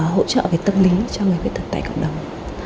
hỗ trợ về tâm lý cho người khuyết tật tại cộng đồng